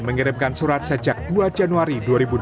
mengirimkan surat sejak dua januari dua ribu dua puluh